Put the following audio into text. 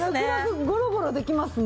ゴロゴロできますね。